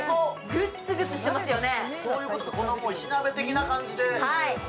グッツグツしてますね。